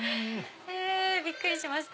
びっくりしました！